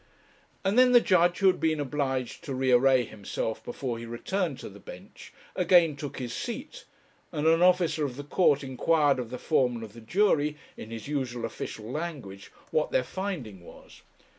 And then the judge, who had been obliged to re array himself before he returned to the bench, again took his seat, and an officer of the court inquired of the foreman of the jury, in his usual official language, what their finding was.